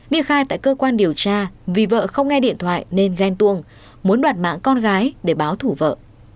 nghi khai tại cơ quan điều tra vì vợ không nghe điện thoại nên ghen tuông muốn đoạt mạng con gái để báo thủ vợ